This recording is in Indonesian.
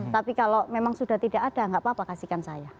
tapi kalau memang sudah tidak ada nggak apa apa kasihkan saya